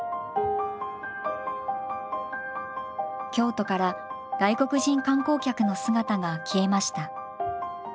京都から外国人観光客の姿が消えました。